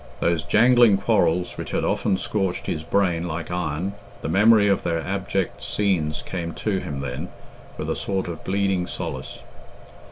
Those jangling quarrels which had often scorched his brain like iron the memory of their abject scenes came to him then, with a sort of bleeding solace!